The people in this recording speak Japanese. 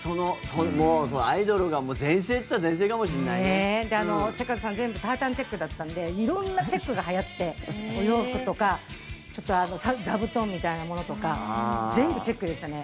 もうアイドルが全盛って言ったらで、チェッカーズさん全部タータンチェックだったので色んなチェックがはやってお洋服とか座布団みたいなものとか全部チェックでしたね。